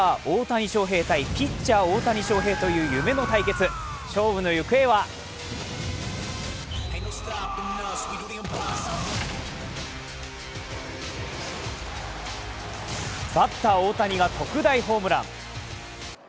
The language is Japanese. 大谷翔平対ピッチャー・大谷翔平という夢の対決、勝負の行方はバッター・大谷が特大ホームラン。